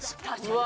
うわ。